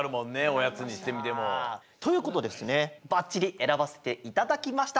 おやつにしてみても。ということでですねばっちり選ばせていただきました。